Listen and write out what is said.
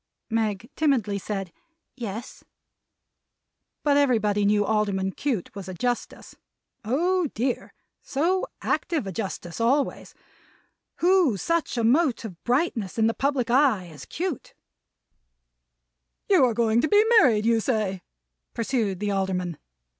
Meg timidly said, "Yes." But everybody knew Alderman Cute was a Justice! Oh dear, so active a Justice always! Who such a mote of brightness in the public eye, as Cute! "You are going to be married, you say," pursued the Alderman.